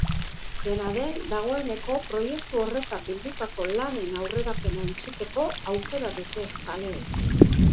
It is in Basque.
Dena den, dagoeneko proiektu horretan bildutako lanen aurrerapena entzuteko aukera dute zaleek.